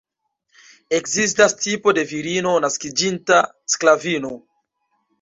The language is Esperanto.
Ekzistas tipo de virino naskiĝinta sklavino.